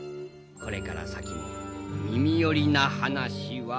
これから先も耳寄りな話は。